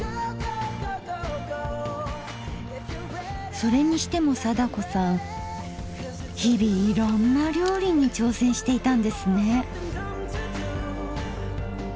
それにしても貞子さん日々いろんな料理に挑戦していたんですね。